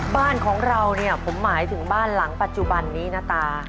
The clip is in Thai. บ้านของเราเนี่ยผมหมายถึงบ้านหลังปัจจุบันนี้นะตา